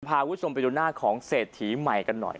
พาคุณผู้ชมไปดูหน้าของเศรษฐีใหม่กันหน่อย